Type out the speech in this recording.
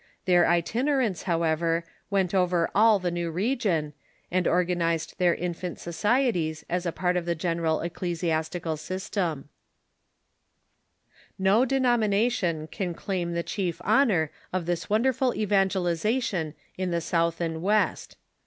Their itinerants, hoAvever, Avent over all 508 THE CHURCH IN THE UNITED STATES the new region, and organized their infant societies as a part of the general ecclesiastical system. No denomination can claim the chief honor of this wonderful evangelization in the South and West.